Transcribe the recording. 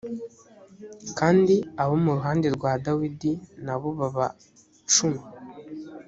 kandi abo mu ruhande rwa dawidi na bo baba cumi